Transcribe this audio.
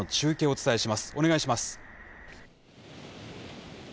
お願いします。